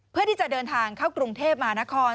เพื่อที่จะเดินทางเข้ากรุงเทพมหานคร